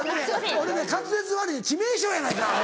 俺ね滑舌悪い致命傷やないかアホ！